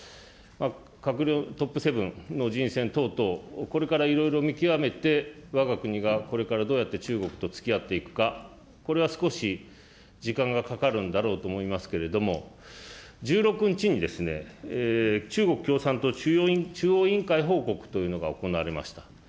閣僚トップ７の人選等々、これからいろいろ見極めて、わが国がこれからどうやって中国とつきあっていくか、これは少し時間がかかるんだろうと思いますけれども、１６日に中国共産党中央委員会報告というのが行われました。